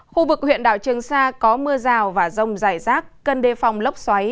khu vực huyện đảo trường sa có mưa rào và rông giải rác